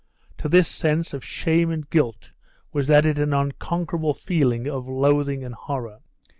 To this sense of shame and guilt was added an unconquerable feeling of loathing and horror.